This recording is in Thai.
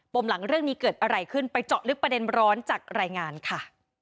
มหลังเรื่องนี้เกิดอะไรขึ้นไปเจาะลึกประเด็นร้อนจากรายงานค่ะ